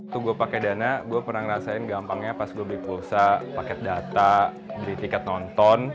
tentu saya pakai dana saya pernah merasakan gampangnya pas saya beli pulsa paket data beli tiket nonton